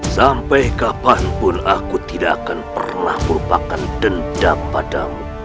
sampai kapanpun aku tidak akan pernah melupakan dendam padamu